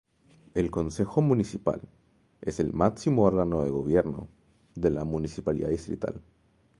El Concejo Municipal es el máximo órgano de gobierno de la Municipalidad Distrital.